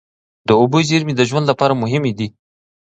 د اوبو زېرمې د ژوند لپاره مهمې دي.